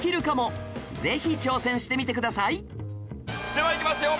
ではいきますよ。